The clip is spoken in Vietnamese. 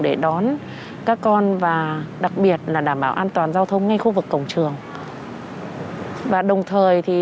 để đón các con và đặc biệt là đảm bảo an toàn giao thông ngay khu vực cổng trường và đồng thời